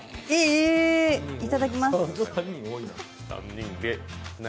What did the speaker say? いただきます。